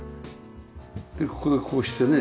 でここでこうしてね。